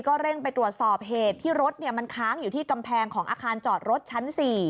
เร่งไปตรวจสอบเหตุที่รถมันค้างอยู่ที่กำแพงของอาคารจอดรถชั้น๔